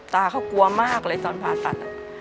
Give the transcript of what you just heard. ตาเขากลัวมากเลยตอนผ่าตัด